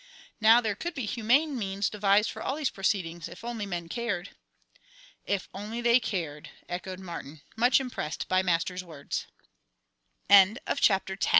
"Now there could be humane means devised for all these proceedings if only men cared." "If only they cared," echoed Martin, much impressed by Master's words. CHAPTER XI. One autumn Master determine